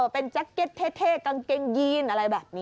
เป็นแจ็คเก็ตเท่กางเกงยีนอะไรแบบนี้